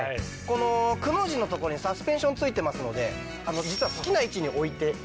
このくの字のところにサスペンション付いてますので実は好きな位置に置いてできます。